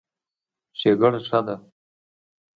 ښېګړه ښه ده.